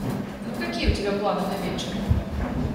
Ну какие у тебя планы на вечер?